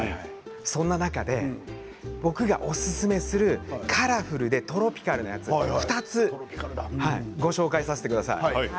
そんな中で僕がおすすめするカラフルでトロピカルなやつ２つご紹介させてください。